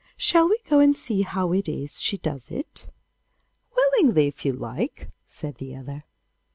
Shall we go and see how it is she does it?' 'Willingly, if you like,' said the other.